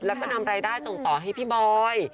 แล้วก็นำรายได้ส่งต่อให้พี่บอย